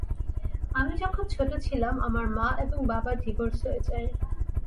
আমি যখন ছোট ছিলাম, আমার মা এবং বাবার ডিভোর্স হয়ে যায়।